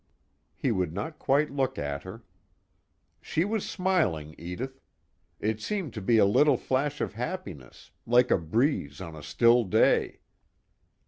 '" He would not quite look at her. "She was smiling, Edith. It seemed to be a little flash of happiness, like a breeze on a still day."